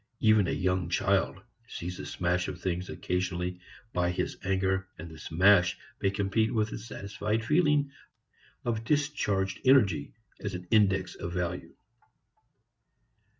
Even a young child sees the smash of things occasionally by his anger, and the smash may compete with his satisfied feeling of discharged energy as an index of value.